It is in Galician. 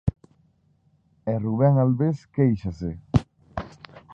E Rubén Albés quéixase.